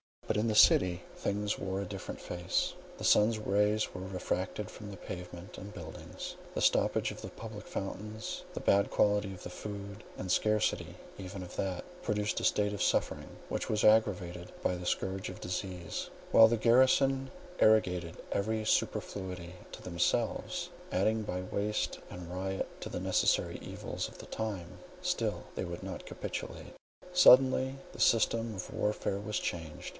But in the city things wore a different face. The sun's rays were refracted from the pavement and buildings—the stoppage of the public fountains—the bad quality of the food, and scarcity even of that, produced a state of suffering, which was aggravated by the scourge of disease; while the garrison arrogated every superfluity to themselves, adding by waste and riot to the necessary evils of the time. Still they would not capitulate. Suddenly the system of warfare was changed.